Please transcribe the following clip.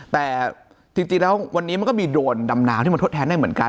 แต่จริงแล้ววันนี้มันก็มีโดรนดำนาวที่มันทดแทนได้เหมือนกัน